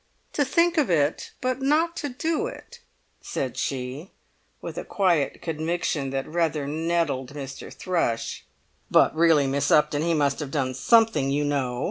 "To think of it, but not to do it," said she, with a quiet conviction that rather nettled Mr. Thrush. "But really, Miss Upton, he must have done something, you know!